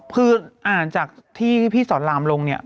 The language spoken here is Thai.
คืออ่านจากที่พี่สอนรามลงเนี่ย